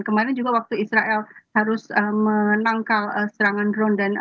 kemarin juga waktu israel harus menangkal serangan drone